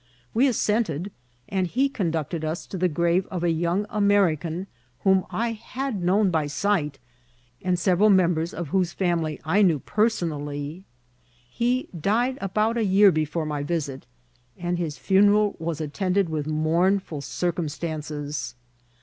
We assented, and he conducted us to the grave of a young American whom I had known by sight, and sev eral members of whose family I knew personally. He died about a year before my visit, and his funeral was attended with mournful circumstances.